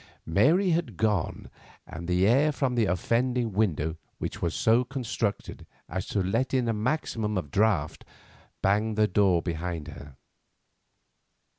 Mary had gone, and the air from the offending window, which was so constructed as to let in a maximum of draught, banged the door behind her.